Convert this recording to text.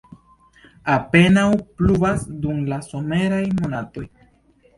Apenaŭ pluvas dum la someraj monatoj.